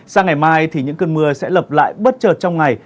sang ngày mai thì những cơn mưa sẽ lập lại bất chợt trong ngày